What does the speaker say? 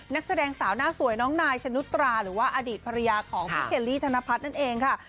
นักแสดงสาวหน้าสวยน้องนายชนุตราหรือว่าอดีตภรรยาของพี่เคลลี่ธนพัฒน์นั่นเองค่ะ